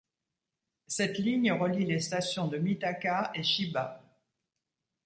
Cette ligne relie les stations de Mitaka et Chiba.